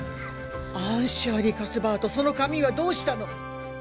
アン・シャーリー・カスバートその髪はどうしたの？